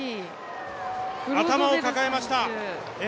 頭を抱えました。